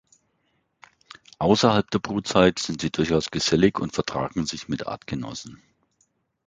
Außerhalb der Brutzeit sind sie durchaus gesellig und vertragen sich mit Artgenossen.